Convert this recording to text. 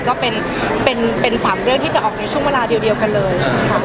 ก็เป็น๓เรื่องที่จะออกในช่วงเวลาเดียวกันเลยค่ะ